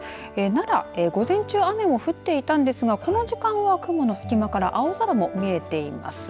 奈良、午前中、雨が降っていたんですが、この時間は雲の隙間から青空も見えています。